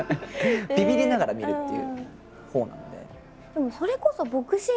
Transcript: ビビりながら見るっていうほうなんで。